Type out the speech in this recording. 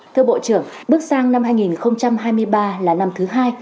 thưa bộ trưởng bước sang năm hai nghìn hai mươi ba là năm thứ hai